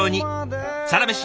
「サラメシ」